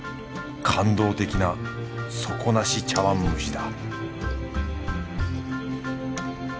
感動的な底なし茶碗蒸しだ